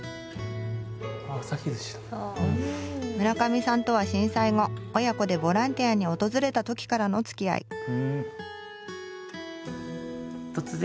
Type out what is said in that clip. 村上さんとは震災後親子でボランティアに訪れた時からのつきあい。